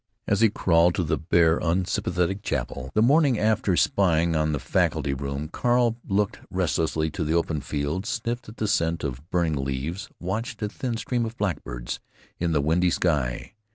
As he crawled to the bare, unsympathetic chapel, the morning after spying on the faculty room, Carl looked restlessly to the open fields, sniffed at the scent of burning leaves, watched a thin stream of blackbirds in the windy sky.